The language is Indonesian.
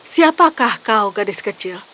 siapakah kau gadis kecil